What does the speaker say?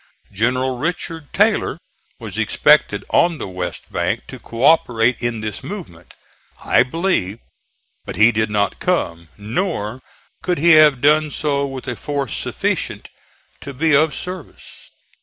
General Richard Taylor was expected on the west bank to co operate in this movement, I believe, but he did not come, nor could he have done so with a force sufficient to be of service.